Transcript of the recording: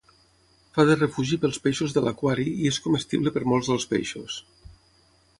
Fa de refugi pels peixos de l'aquari i és comestible per molts dels peixos.